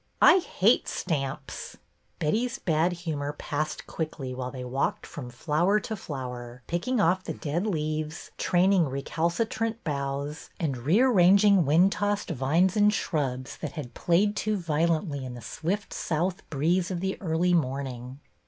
I hate stamps !" Betty's bad humor passed quickly while they walked from flower to flower, picking off the dead leaves, training recalcitrant boughs, and rear ranging wind tossed vines and shrubs that had played too violently in the swift south breeze of the early morning.